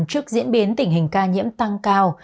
trước diễn biến tình hình ca nhiễm tăng cao